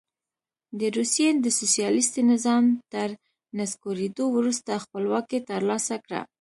د روسیې د سوسیالیستي نظام تر نسکورېدو وروسته خپلواکي ترلاسه کړه.